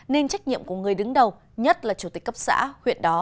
nên trách nhiệm của người đứng đầu nhất là chủ tịch cấp xã huyện đó